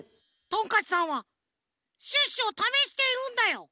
トンカチさんはシュッシュをためしているんだよ。